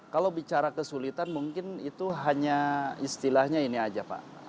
kalau bicara kesulitan mungkin itu hanya istilahnya ini aja pak